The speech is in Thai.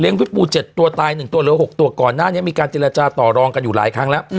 พิษบู๗ตัวตาย๑ตัวเหลือ๖ตัวก่อนหน้านี้มีการเจรจาต่อรองกันอยู่หลายครั้งแล้ว